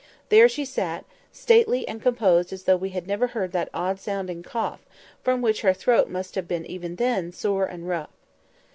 There she sat, as stately and composed as though we had never heard that odd sounding cough, from which her throat must have been even then sore and rough.